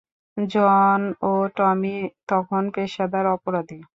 জন ও টমি তখন পেশাদার অপরাধী।